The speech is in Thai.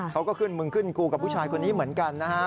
เขาก็ขึ้นมึงขึ้นกูกับผู้ชายคนนี้เหมือนกันนะฮะ